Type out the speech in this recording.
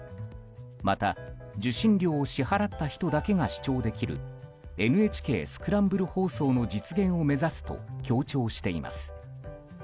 また、受信料を支払った人だけが視聴できるＮＨＫスクランブル放送の実現を目指すと強調しています。